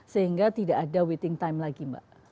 sehingga tidak ada waiting time lagi mbak